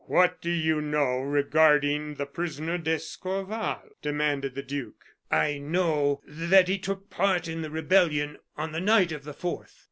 "What do you know regarding the prisoner d'Escorval?" demanded the duke. "I know that he took part in the rebellion on the night of the fourth."